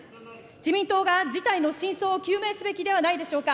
自民党が事態の真相を究明すべきではないでしょうか。